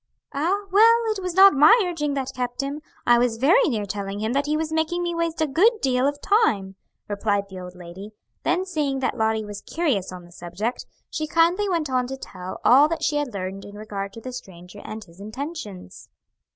"Ah? Well it was not my urging that kept him; I was very near telling him that he was making me waste a good deal of time" replied the old lady; then seeing that Lottie was curious on the subject, she kindly went on to tell all that she had learned in regard to the stranger and his intentions.